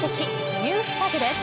ＮｅｗｓＴａｇです。